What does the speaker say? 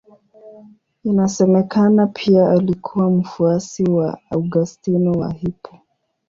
Inasemekana pia alikuwa mfuasi wa Augustino wa Hippo.